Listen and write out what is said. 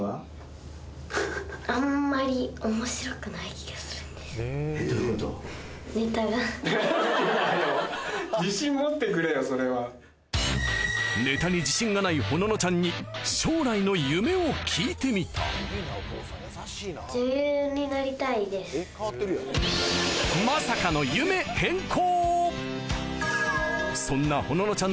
気がするんですそれはネタに自信がないほののちゃんに将来の夢を聞いてみたまさかの夢変更！